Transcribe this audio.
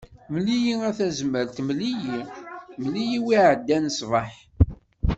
Mel-iyi a Tazmalt mel-iyi, mel-iyi wi iɛeddan ṣbeḥ.